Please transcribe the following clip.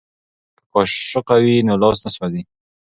که قاشقه وي نو لاس نه سوځي.